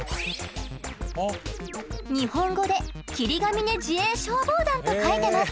日本語で「霧ヶ峰自衛消防団」と書いてます。